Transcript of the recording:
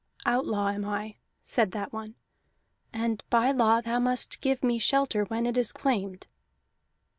"Outlaw am I," said that one, "and by law thou must give me shelter when it is claimed."